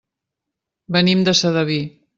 Venim de Sedaví.